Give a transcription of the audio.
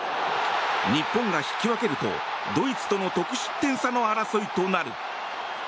日本が引き分けると、ドイツとの得失点差の争いとなる。